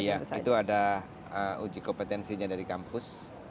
iya itu ada uji kompetensinya dari kampus